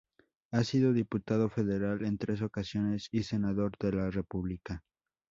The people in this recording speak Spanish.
Ha sido diputado federal en tres ocasiones y senador de la república.